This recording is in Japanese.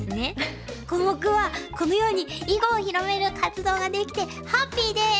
コモクはこのように囲碁を広める活動ができてハッピーです！